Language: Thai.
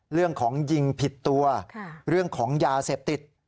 เรื่องของยิงผิดตัวเรื่องของยาเสพติด